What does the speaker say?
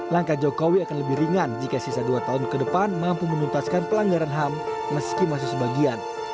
langkah jokowi akan lebih ringan jika sisa dua tahun ke depan mampu menuntaskan pelanggaran ham meski masih sebagian